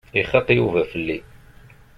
Ixaq Yuba fell-i.